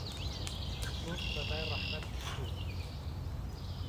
گوڵ به بای ڕهحمهت پشکووت